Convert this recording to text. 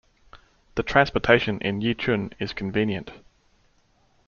The transportation in Yichun is convenient.